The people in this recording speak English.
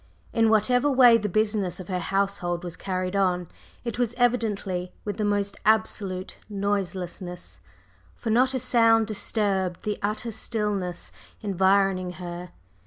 In whatever way the business of her household was carried on, it was evidently with the most absolute noiselessness, for not a sound disturbed the utter stillness environing her.